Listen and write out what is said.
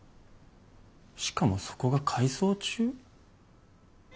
しかもそこが改装中？